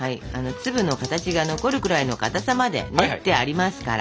粒の形が残るくらいのかたさまで練ってありますから。